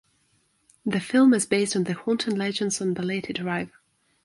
The film is based on the haunting legends on Balete Drive.